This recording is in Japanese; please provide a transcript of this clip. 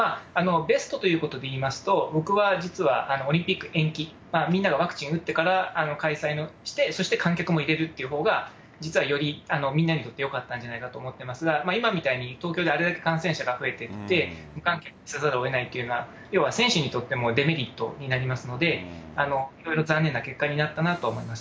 ベストということで言いますと、僕は実は、オリンピック延期、みんながワクチン打ってから開催して、そして観客も入れるっていうほうが、実はよりみんなにとってよかったんじゃないかと思ってますが、今みたいに東京であれだけ感染者が増えていて、無観客にせざるをえないっていうのは、要は選手にとってもデメリットになりますので、いろいろ残念な結果になったなと思います。